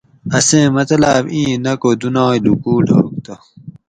اسیں مطلاۤب اِیں نہ کو دُنائے لُکوٹ ہوگ تہ